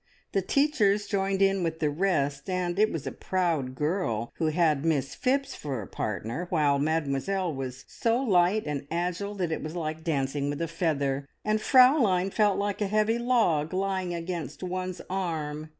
The teachers joined in with the rest, and it was a proud girl who had Miss Phipps for a partner, while Mademoiselle was so light and agile that it was like dancing with a feather, and Fraulein felt like a heavy log lying against one's arm.